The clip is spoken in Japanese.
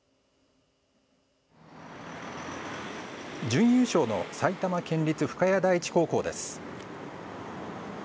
準優勝の埼玉県立深谷第一高校です。